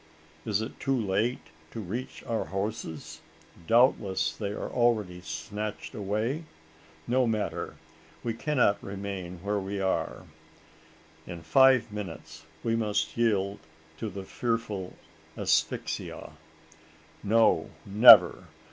Is it too late to reach our horses? Doubtless, they are already snatched away? No matter: we cannot remain where we are. In five minutes, we must yield to the fearful asphyxia. "No! never!